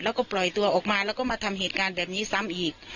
แล้วก็ปล่อยตัวออกมาแล้วก็มาทำเหตุการณ์แบบนี้ซ้ำอีก